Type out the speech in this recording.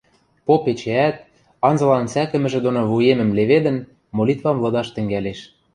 Поп эчеӓт, анзылан сӓкӹмӹжӹ доно вуемӹм леведӹн, молитвам лыдаш тӹнгӓлеш.